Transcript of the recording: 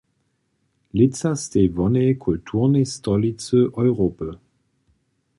Lětsa stej wonej kulturnej stolicy Europy.